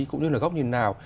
cũng như là góc nhìn nào